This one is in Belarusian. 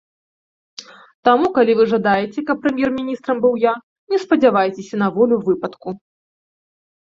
Таму, калі вы жадаеце, каб прэм'ер-міністрам быў я, не спадзявайцеся на волю выпадку.